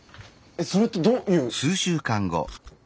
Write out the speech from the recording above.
それってどういう。